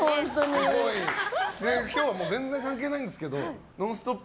今日は全然関係ないんですけど「ノンストップ！」